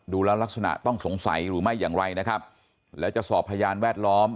ดูแล้วลักษณะต้องสงสัยหรือไม่อย่างไรนะครับแล้วจะสอบพยานแวดล้อม